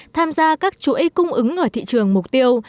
tham gia các chuỗi cung ứng ở thị trường mục tiêu